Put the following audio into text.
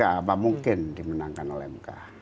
apa mungkin dimenangkan oleh mk